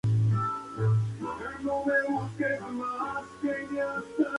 Teodorico era viudo con un hijo Simón, y una hija Gertrudis.